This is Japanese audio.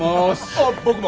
ああ僕も！